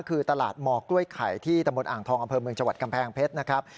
คือตลาดมกล้วยไข่ที่ตำบลอ่างทองอำเภอเมืองจังหวัดกำแพงเพชรนะครับ